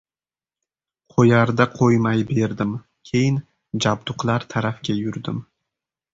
Qo‘yarda-qo‘ymay berdim. Keyin, jabduqlar tarafga yurdim.